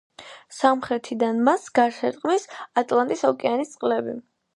სამხრეთიდან მას გარს ერტყმის ატლანტის ოკეანის წყლები.